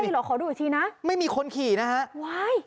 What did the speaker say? เหรอขอดูอีกทีนะไม่มีคนขี่นะฮะว้าย